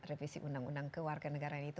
revisi undang undang ke warga negara itu